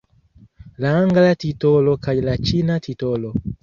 La angla titolo kaj la ĉina titolo.